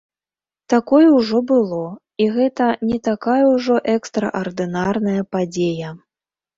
Такое ўжо было, і гэта не такая ўжо экстраардынарная падзея.